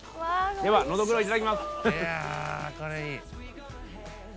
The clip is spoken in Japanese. ではノドグロいただきます。